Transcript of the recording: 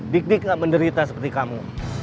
diddick gak menderita seperti kamu